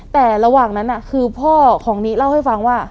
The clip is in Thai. แต่ระหว่างนั้นคือพ่อของนี้เล่าให้ฟังว่า